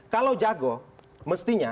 kalau jago mestinya